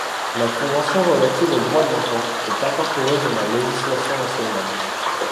La Convention relative aux droits de l'enfant est incorporée dans la législation nationale.